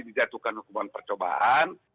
dijatuhkan hukuman percobaan